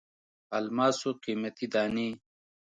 الماسو قیمتي دانې.